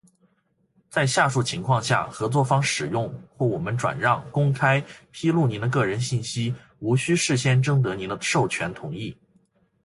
在下述情况下，合作方使用，或我们转让、公开披露您的个人信息无需事先征得您的授权同意：